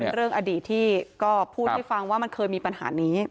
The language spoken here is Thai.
ใช่ค่ะเรื่องของเรื่องอดีตที่ก็พูดให้ฟังว่ามันเคยมีปัญหานี้